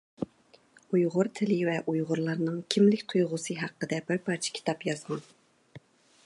ئۇيغۇر تىلى ۋە ئۇيغۇرلارنىڭ كىملىك تۇيغۇسى ھەققىدە بىر پارچە كىتاب يازغان.